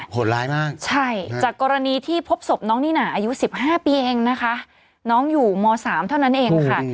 โหดร้ายมากใช่จากกรณีที่พบศพน้องนี่น่าอายุ๑๕ปีเองนะคะน้องอยู่ม๓เท่านั้นเองค่ะ